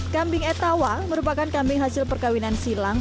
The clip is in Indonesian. kambing etawa merupakan kambing hasil perkawinan silang